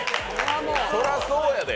そりゃそうやで。